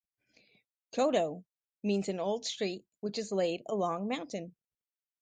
"Kodo" means an old street which is laid along mountain.